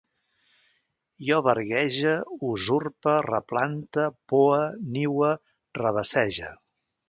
Jo verguege, usurpe, replante, poe, niue, revessege